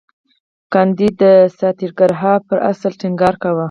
ګاندي د ساتیاګراها پر اصل ټینګار کاوه.